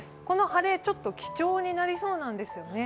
この晴れ、ちょっと貴重になりそうなんです。